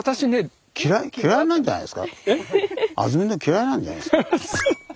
安曇野嫌いなんじゃないですか？